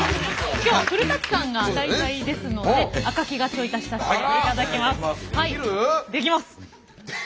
今日は古さんが題材ですので赤木がちょい足しさせていただきます。